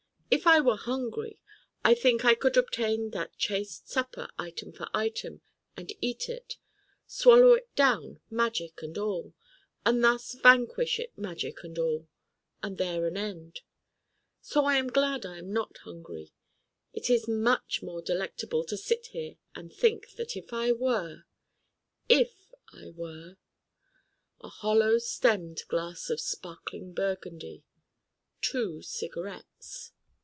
If I were hungry I think I could obtain that chaste supper item for item, and eat it: swallow it down magic and all, and thus vanquish it magic and all, and there an end. So I am glad I am not hungry. It is much more delectable to sit here and think that if I were if I were a Hollow stemmed Glass of Sparkling Burgundy. two cigarettes.